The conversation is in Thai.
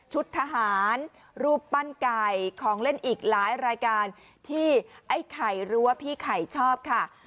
ทหารรูปปั้นไก่ของเล่นอีกหลายรายการที่ไอ้ไข่หรือว่าพี่ไข่ชอบค่ะ